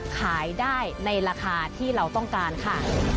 ขายได้ในราคาที่เราต้องการค่ะ